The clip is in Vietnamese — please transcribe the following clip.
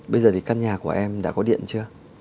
bây giờ thì căn nhà của em đã có điện chưa